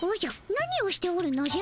何をしておるのじゃ？